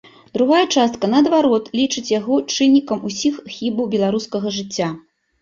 Другая частка, наадварот, лічыць яго чыннікам усіх хібаў беларускага жыцця.